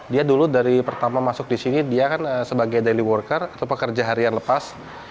dia dulu dari pertama masuk di sini dia kan sebagai daily worker atau pekerja harian lepas